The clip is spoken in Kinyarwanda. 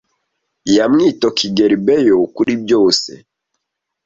Yamwitokigelibeye kuri byose.